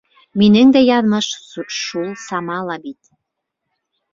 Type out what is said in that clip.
Минең дә яҙмыш шул сама ла бит.